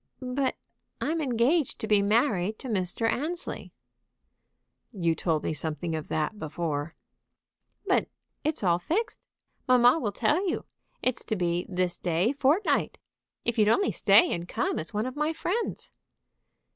"But I'm engaged to be married to Mr. Annesley." "You told me something of that before." "But it's all fixed. Mamma will tell you. It's to be this day fortnight. If you'd only stay and come as one of my friends."